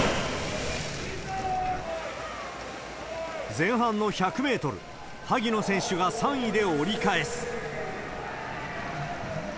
前半の１００メートル、萩野選手が３位で折り返す。